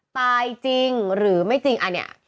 ตายจริงหรือไม่จริงอันนี้